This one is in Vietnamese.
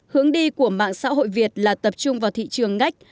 hướng đi của mạng xã hội việt là tập trung vào thị trường ngách